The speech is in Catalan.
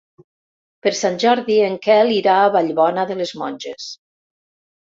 Per Sant Jordi en Quel irà a Vallbona de les Monges.